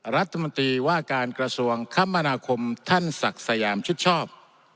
รัฐมนตรีว่าการกระทรวงคมนาคมท่านศักดิ์สยามชิดชอบ